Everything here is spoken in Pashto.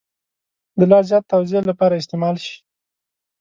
د لا زیات توضیح لپاره استعمال شي.